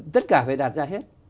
tất cả phải đạt ra hết